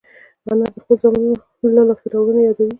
انا د خپلو زامنو لاسته راوړنې یادوي